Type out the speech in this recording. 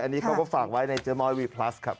อันนี้เขาก็ฝากไว้ในเจ๊ม้อยวีพลัสครับ